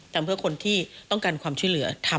ทำเพื่อคนที่ต้องการความช่วยเหลือทำ